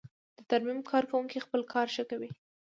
د ترمیم کارکوونکی خپل کار ښه کوي.